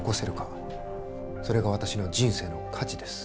それが私の人生の価値です。